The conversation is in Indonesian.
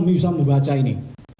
yang bisa membaca ini